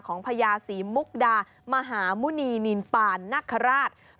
ของพระยาศีมุกดามหาหมุนินปานนักขราช